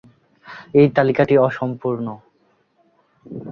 এই তালিকাটি অসম্পূর্ণ